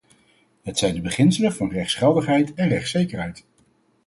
Het zijn de beginselen van rechtsgeldigheid en rechtszekerheid.